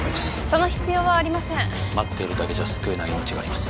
その必要はありません待っているだけじゃ救えない命があります